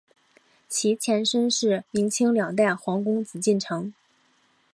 其前身是明清两代皇宫紫禁城。